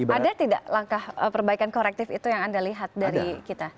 ada tidak langkah perbaikan korektif itu yang anda lihat dari kita